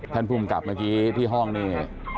ภูมิกับเมื่อกี้ที่ห้องนี่